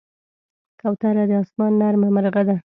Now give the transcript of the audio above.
کوتره د آسمان نرمه مرغه ده.